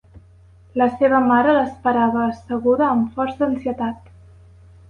La seva mare l'esperava asseguda amb força ansietat.